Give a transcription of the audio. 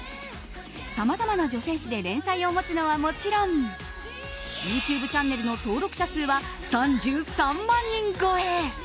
さまざまな女性誌で連載を持つのはもちろんＹｏｕＴｕｂｅチャンネルの登録者数は３３万人超え。